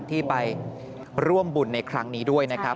ที่ไปร่วมบุญในครั้งนี้ด้วยนะครับ